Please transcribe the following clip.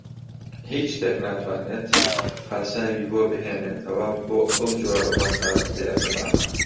هیچ شتێک ناتوانێت پاساوی بۆ بهێنێتەوە بۆ ئەو جۆرە ڕەفتارە بێئەدەبانە.